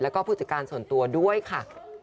แล้วก็ผู้จัดการส่วนตัวด้วยค่ะ